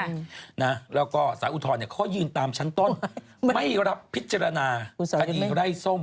อืมนะแล้วก็สารอุทธรณ์เนี่ยเขายืนตามชั้นต้นไม่รับพิจารณาคดีไล่ส้ม